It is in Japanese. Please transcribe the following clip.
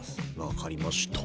分かりました。